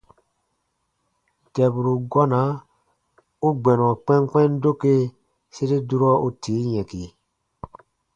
Dɛburu gɔna u gbɛnɔ kpɛnkpɛn doke sere durɔ u tii yɛ̃ki.